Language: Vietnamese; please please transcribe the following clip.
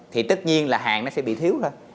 thì tất nhiên là hàng nó sẽ bị thiếu thôi